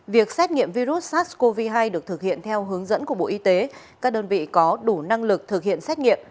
việc xét nghiệm virus sars cov hai được thực hiện theo hướng dẫn của bộ y tế các đơn vị có đủ năng lực thực hiện xét nghiệm